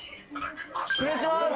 失礼します！